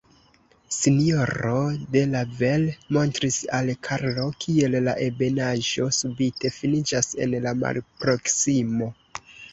Sinjororo de Lavel montris al Karlo, kiel la ebenaĵo subite finiĝas en la malproksimo.